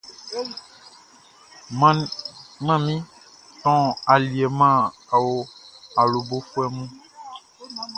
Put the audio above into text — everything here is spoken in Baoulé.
Manmin ton aliɛ man awlobofuɛ mun.